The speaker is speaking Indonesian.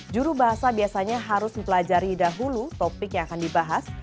jurubahasa biasanya harus mempelajari dahulu topik yang akan dibahas